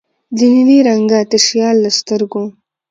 د نیلي رنګه تشیال له سترګو